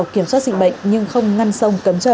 trịnh bệnh nhưng không ngăn sông cấm trợ